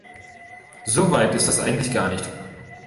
So weit ist das eigentlich gar nicht.